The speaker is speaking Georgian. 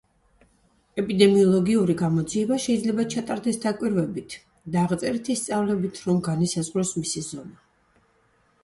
ეპიდემიოლოგიური გამოძიება შეიძლება ჩატარდეს დაკვირვებით და აღწერითი სწავლებით რომ განისაზღვროს მისი ზომა.